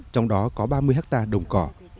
trong đó có ba mươi ha đồng cỏ